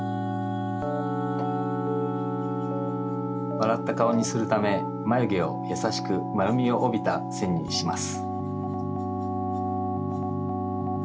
わらった顔にするためまゆげをやさしくまるみをおびたせんにします。